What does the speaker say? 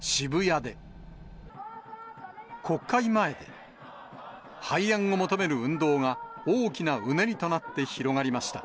渋谷で、国会前で、廃案を求める運動が大きなうねりとなって広がりました。